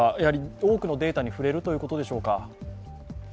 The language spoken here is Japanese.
多くのデータに触れるということでしょうか。